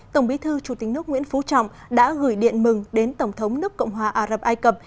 tổng bí thư chủ tịch nước nguyễn phú trọng đã gửi điện mừng đến tổng thống nước cộng hòa ả rập ai cập